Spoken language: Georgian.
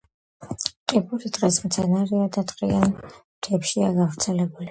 ტიპური ტყის მცენარეა და ტყიან მთებშია გავრცელებული.